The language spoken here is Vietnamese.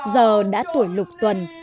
giờ đã tuổi lục tuần